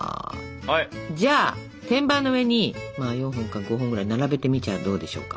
じゃあ天板の上に４本か５本ぐらい並べてみちゃあどうでしょうか。